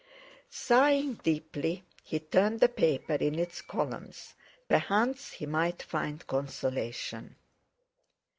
Sighing deeply, he turned the paper; in its columns, perchance he might find consolation.